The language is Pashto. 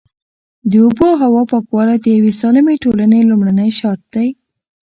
د اوبو او هوا پاکوالی د یوې سالمې ټولنې لومړنی شرط دی.